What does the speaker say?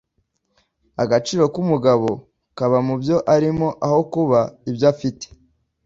Agaciro k'umugabo kaba mubyo arimo aho kuba ibyo afite.